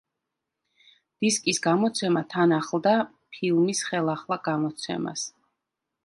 დისკის გამოცემა თან ახლდა ფილმის ხელახლა გამოცემას.